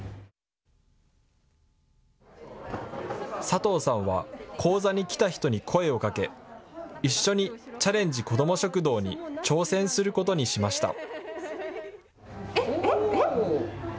佐藤さんは講座に来た人に声をかけ、一緒にチャレンジこども食堂に挑戦することにしました。